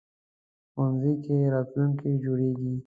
ښوونځی کې راتلونکی جوړېږي